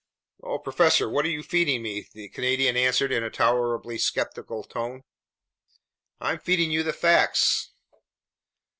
"Oh, professor, what are you feeding me?" the Canadian answered in a tolerably skeptical tone. "I'm feeding you the facts."